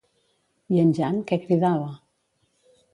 I en Jan, què cridava?